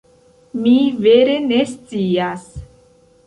Mi vere ne scias.